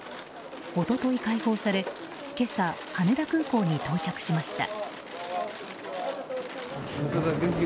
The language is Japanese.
一昨日、解放され今朝、羽田空港に到着しました。